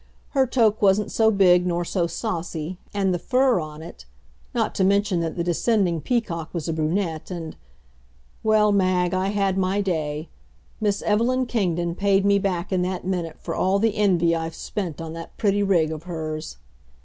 Her toque wasn't so big nor so saucy, and the fur on it not to mention that the descending peacock was a brunette and ... well, Mag, I had my day. Miss Evelyn Kingdon paid me back in that minute for all the envy I've spent on that pretty rig of hers.